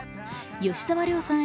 吉沢亮さん